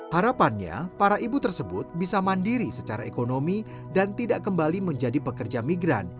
harapannya para ibu tersebut bisa mandiri secara ekonomi dan tidak kembali menjadi pekerja migran